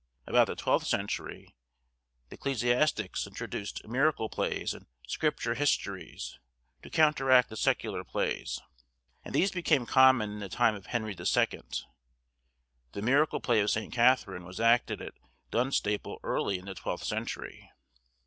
About the twelfth century the ecclesiastics introduced miracle plays and scripture histories, to counteract the secular plays, and these became common in the time of Henry the Second; the miracle play of St. Katherine was acted at Dunstaple early in the twelfth century.